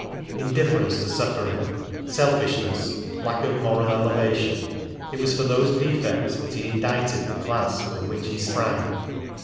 Indifference to suffering, selfishness, lack of moral elevation, it was for those defects that he indicted the class from which he sprang.